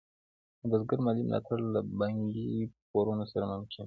د بزګر مالي ملاتړ له بانکي پورونو سره ممکن کېږي.